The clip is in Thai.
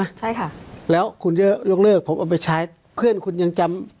ใช่ค่ะแล้วคุณจะยกเลิกผมเอาไปใช้เพื่อนคุณยังจำ